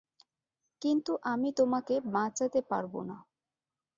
কিন্তু আমি তোমাকে বাঁচাতে পারব না।